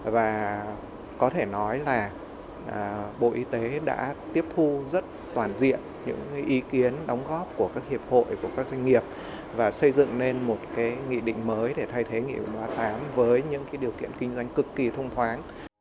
và có thể nói là bộ y tế đã tiếp thu rất toàn diện những ý kiến đóng góp của các hiệp hội của các doanh nghiệp và xây dựng nên một nghị định mới để thay thế nghị a tám với những điều kiện kinh doanh cực kỳ thông thoáng